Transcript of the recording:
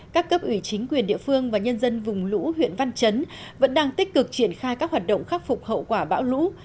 các cấp ủy chính quyền địa phương và nhân dân vùng lũ huyện văn chấn vẫn đang tích cực triển khai các hoạt động khắc phục hậu quả bão lũ